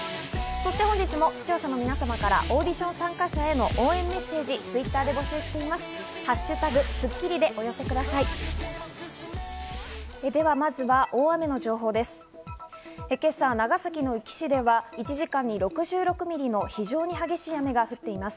そして本日も視聴者の皆様からオーディション参加者への応援メッセージをＴｗｉｔｔｅｒで募集しています。